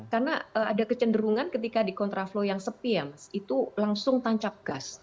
karena ada kecenderungan ketika di kontraflow yang sepi ya mas itu langsung tancap gas